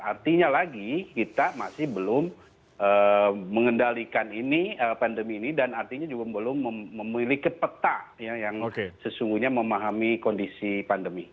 artinya lagi kita masih belum mengendalikan ini pandemi ini dan artinya juga belum memiliki peta yang sesungguhnya memahami kondisi pandemi